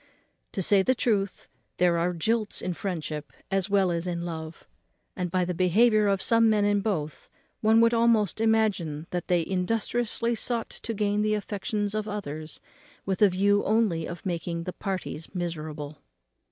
To say the truth, there are jilts in friendship as well as in love; and, by the behaviour of some men in both, one would almost imagine that they industriously sought to gain the affections of others with a view only of making the parties miserable.